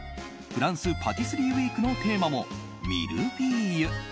フランスパティスリーウィークのテーマもミルフィーユ。